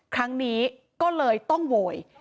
ครั้งนี้ก็เลยต้องโวย